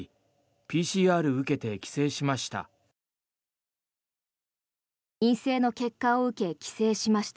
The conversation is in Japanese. ＰＣＲ受けて帰省しました。